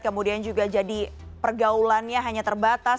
kemudian juga jadi pergaulannya hanya terbatas